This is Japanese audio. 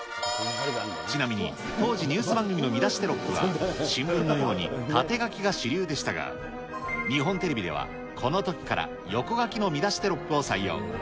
ちなみに、当時ニュース番組の見出しテロップは新聞のように縦書きが主流でしたが、日本テレビでは、このときから横書きの見出しテロップを採用。